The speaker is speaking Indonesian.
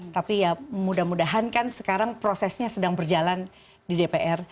tapi ya mudah mudahan kan sekarang prosesnya sedang berjalan di dpr